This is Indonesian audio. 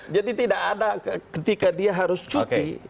jadi tidak ada ketika dia harus cuti